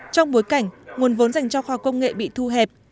trong bối cảnh nguồn vốn dành cho khoa công nghệ bị thu hẹp